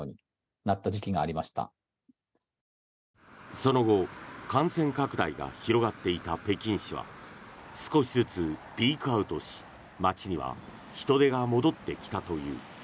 その後感染拡大が広がっていた北京市は少しずつピークアウトし街には人出が戻ってきたという。